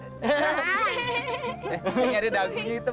ini ada daging hitam